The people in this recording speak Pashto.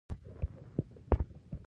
د تمباکو په پاڼو چا کړي مرګونه